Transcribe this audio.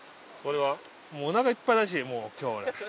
もうおなかいっぱいだしもう今日俺。